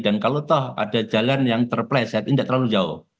dan kalau toh ada jalan yang terpleset ini tidak terlalu jauh